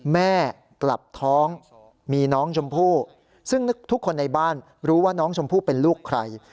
แม่กลับท้องมีน้องชมพู่ซึ่งทุกคนในบ้านรู้ว่าน้องชมพู่เป็นลูกใคร